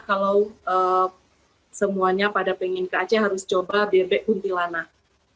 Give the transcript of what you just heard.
kalau semuanya pada pengen ke aceh harus coba bebek kuntilanak